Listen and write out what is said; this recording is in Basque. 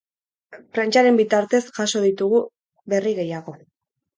Prentsaren bitartez jaso ditugu berri gehiago.